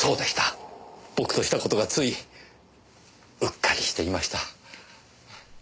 僕としたことがついうっかりしていました。